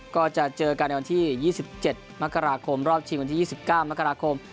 ก็จะเจอกันในวันที่๒๗มกราคมรอบชิงวันที่๒๙มกราคม